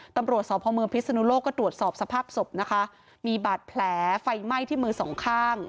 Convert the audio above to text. ตำรวจสพเมืองพิศนุโลกก็ตรวจสอบสภาพศพนะคะมีบาดแผลไฟไหม้ที่มือสองข้าง